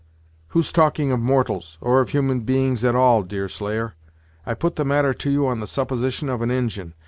"Who's talking of mortals, or of human beings at all, Deerslayer? I put the matter to you on the supposition of an Injin.